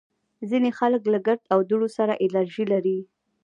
ځینې خلک له ګرد او دوړو سره الرژي لري